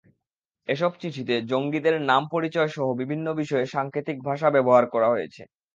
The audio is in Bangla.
এসব চিঠিতে জঙ্গিদের নাম-পরিচয়সহ বিভিন্ন বিষয়ে সাংকেতিক ভাষা ব্যবহার করা হয়েছে।